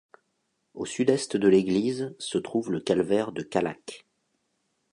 Au sud-est de l'église, se trouve le calvaire de Callac.